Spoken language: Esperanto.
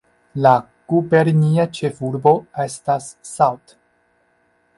La gubernia ĉefurbo estas Salt.